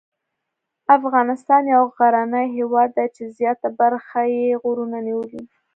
افغانستان یو غرنی هېواد دی چې زیاته برخه یې غرونو نیولې.